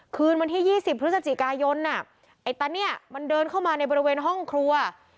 คืนวันที่๒๐พฤศจิกายนไอ้ตาเนี่ยมันเดินเข้ามาในบริเวณห้องครัว